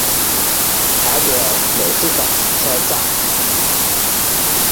台鐵美術館車站